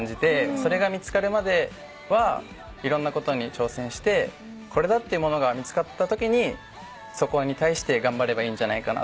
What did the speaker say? それが見つかるまではいろんなことに挑戦してこれだってものが見つかったときにそこに対して頑張ればいいんじゃないかなと思います。